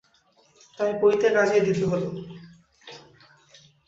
তাই পইতে কাজেই দিতে হল।